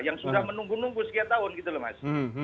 yang sudah menunggu nunggu sekian tahun gitu loh mas